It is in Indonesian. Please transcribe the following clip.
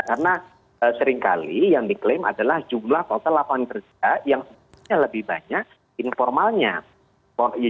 karena seringkali yang diklaim adalah jumlah total lapangan kerja yang lebih banyak informalnya